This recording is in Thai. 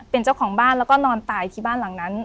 เป็นเจ้าของบ้านแล้วก็นอนตายที่บ้านหลังนั้น